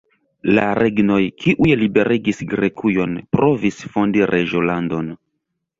La regnoj, kiuj liberigis Grekujon, provis fondi reĝolandon.